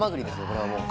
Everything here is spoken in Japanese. これはもう。